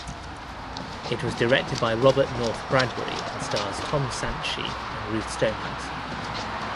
It was directed by Robert North Bradbury and stars Tom Santschi and Ruth Stonehouse.